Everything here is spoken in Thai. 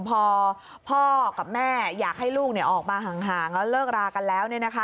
พอพ่อกับแม่อยากให้ลูกออกมาห่างแล้วเลิกรากันแล้ว